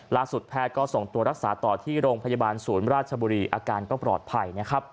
แพทย์ก็ส่งตัวรักษาต่อที่โรงพยาบาลศูนย์ราชบุรีอาการก็ปลอดภัยนะครับ